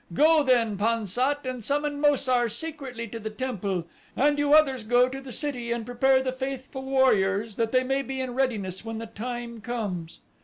Go then, Pan sat, and summon Mo sar secretly to the temple, and you others go to the city and prepare the faithful warriors that they may be in readiness when the time comes."